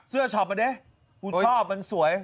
เสื้อช็อปมานี่อุทอบมันสวย